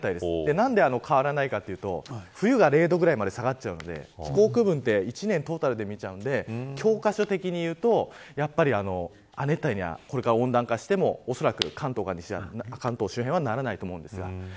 なんで変わらないかというと冬が０度ぐらいまで下がっちゃうので気候区分は一年トータルで見るので教科書的に見ると、亜熱帯にはこれから温暖化しても、おそらく関東周辺はならないと思うんです。